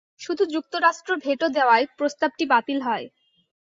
শুধু যুক্তরাষ্ট্র ভেটো দেওয়ায় প্রস্তাবটি বাতিল হয়।